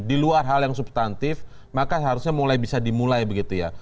di luar hal yang substantif maka seharusnya mulai bisa dimulai begitu ya